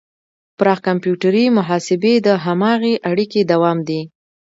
پراخ کمپیوټري محاسبې د هماغې اړیکې دوام دی.